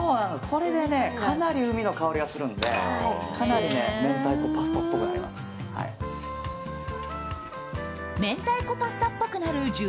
これでかなり海の香りがするのでかなり明太子パスタっぽくなります。